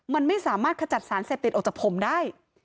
มันไม่สามารถขจัดสารเสพติดออกจากผมได้